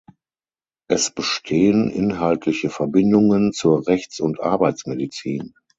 Es bestehen inhaltliche Verbindungen zur Rechts- und Arbeitsmedizin.